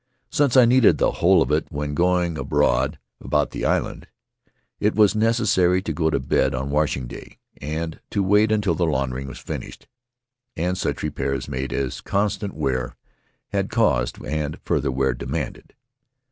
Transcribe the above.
Since I needed the whole of it when going abroad about the island, it was necessary to go to bed on washing day, and to wait there until the laundering was finished, and such repairs made as constant wear had caused and further wear demanded.